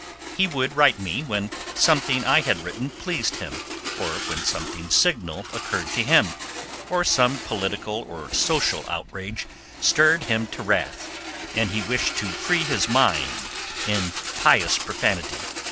He would write me when something I had written pleased him, or when something signal occurred to him, or some political or social outrage stirred him to wrath, and he wished to free his mind in pious profanity.